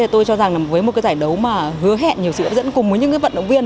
tôi cho rằng với một giải đấu hứa hẹn nhiều sự hợp dẫn cùng với những vận động viên